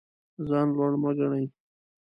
ځان لوړ مه ګڼئ.